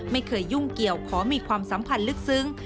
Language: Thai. ไม่เคยยุ่งเกี่ยวขอมีความสัมพันธ์ลึกซึ้ง